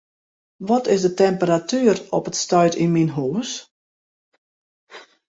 Wat is de temperatuer op it stuit yn myn hûs?